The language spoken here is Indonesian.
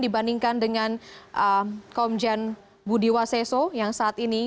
dibandingkan dengan komjen budiwaseso yang saat ini